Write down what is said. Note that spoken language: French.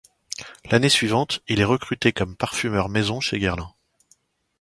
L'année suivante, il est recruté comme Parfumeur Maison chez Guerlain.